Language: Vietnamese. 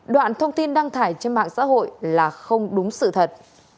đoạn thông tin đăng tải trên mạng xã hội là không đúng sự thật